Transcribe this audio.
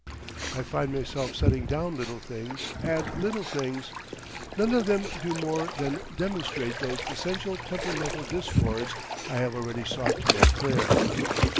I find myself setting down little things and little things; none of them do more than demonstrate those essential temperamental discords I have already sought to make clear.